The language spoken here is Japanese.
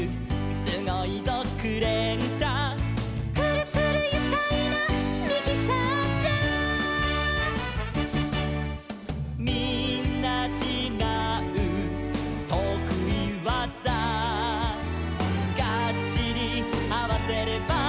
「すごいぞクレーンしゃ」「くるくるゆかいなミキサーしゃ」「みんなちがうとくいわざ」「ガッチリあわせれば」